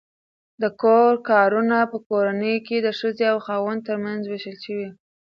د کور کارونه په کورنۍ کې د ښځې او خاوند ترمنځ وېشل شوي.